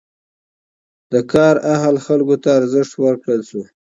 د کار اهل خلکو ته ارزښت ورکړل شو.